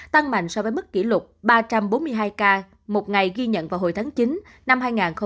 tăng mạnh so với mức kỷ lục ba trăm bốn mươi hai ca một ngày ghi nhận vào hồi tháng chín năm hai nghìn hai mươi ba